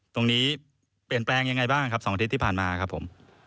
เปลี่ยนแปลงยังไงบ้างครับ๒อาทิตย์ที่ผ่านมาครับผม